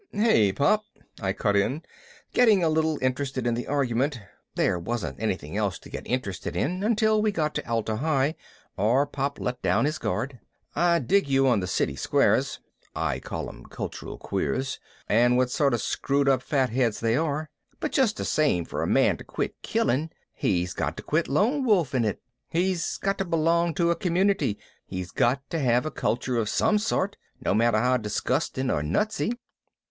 "Hey, Pop," I cut in, getting a little interested in the argument (there wasn't anything else to get interested in until we got to Atla Hi or Pop let down his guard), "I dig you on the city squares (I call 'em cultural queers) and what sort of screwed up fatheads they are, but just the same for a man to quit killing he's got to quit lone wolfing it. He's got to belong to a community, he's got to have a culture of some sort, no matter how disgusting or nutsy."